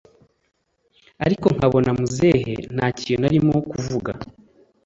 ariko nkabona muzehe ntakintu arimo kuvuga,